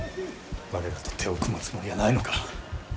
我らと手を組むつもりはないのか。